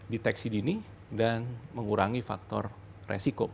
deteksi dini dan mengurangi faktor resiko